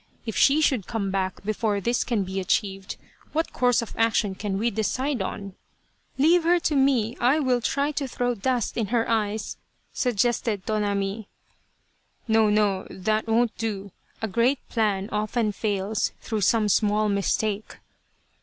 If she should come back before this can be achieved, what course of action can we decide on ?"" Leave her to me ! I will try to throw dust in her eyes !" suggested Tonami. " No, no, that won't do a great plan often fails through some small mistake."